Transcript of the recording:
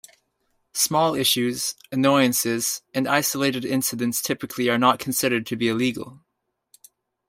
Small issues, annoyances, and isolated incidents typically are not considered to be illegal.